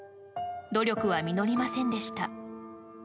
努力は実りませんでした。